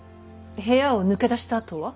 部屋を抜け出したあとは。